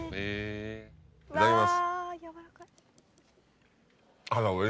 いただきます。